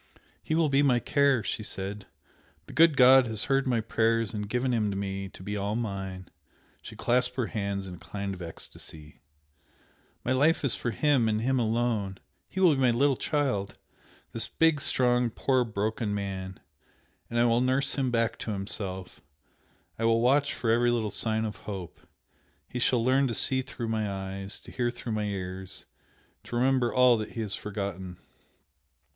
"He will be my care!" she said "The good God has heard my prayers and given him to me to be all mine!" She clasped her hands in a kind of ecstasy, "My life is for him and him alone! He will be my little child! this big, strong, poor broken man! and I will nurse him back to himself, I will watch for every little sign of hope! he shall learn to see through my eyes to hear through my ears to remember all that he has forgotten!..."